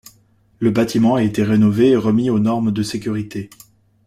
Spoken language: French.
Le bâtiment a été rénové et remis aux normes de sécurité.